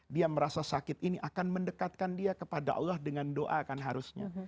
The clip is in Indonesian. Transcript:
dia merasa sakit ini akan mendekatkan dia kepada allah dengan doa kan harusnya